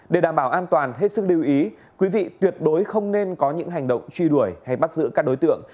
để đảm bảo an toàn hết sức lưu ý quý vị tuyệt đối không nên có những hành động truy đuổi hay bắt giữ các đối tượng